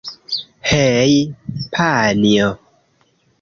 Hej' panjo!